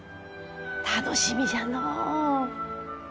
楽しみじゃのう。